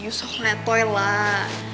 yuh sok netoy lah